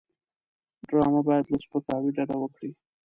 ډرامه باید له سپکاوي ډډه وکړي